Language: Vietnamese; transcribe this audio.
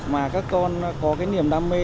mà các con có cái niềm đam mê